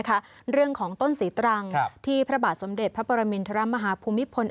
เรื่องของต้นศรีตรังที่พระบาทสมเด็จพระปรมินทรมาฮภูมิพล